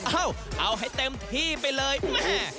เอาเอาให้เต็มที่ไปเลยแม่